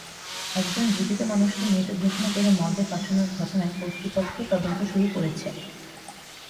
একজন জীবিত মানুষকে মৃত ঘোষণা করে মর্গে পাঠানোর ঘটনায় কর্তৃপক্ষ তদন্ত শুরু করেছে।